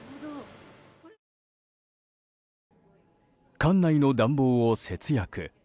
館内の暖房を節約。